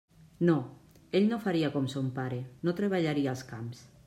No; ell no faria com son pare; no treballaria els camps.